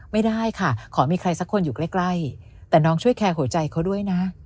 ไม่ได้ค่ะขอมีใครสักคนอยู่ใกล้แต่น้องช่วยแคร์หัวใจเขาด้วยนะ